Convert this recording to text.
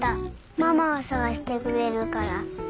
ママを捜してくれるからあげる。